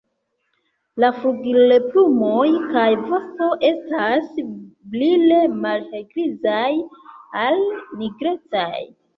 La flugilplumoj kaj vosto estas brile malhelgrizaj al nigrecaj.